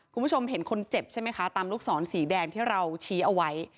คุณผู้ชมเห็นคนเจ็บใช่ไหมคะตามลูกศรสีแดงที่เราชี้เอาไว้